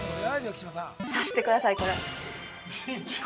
◆察してください、これ。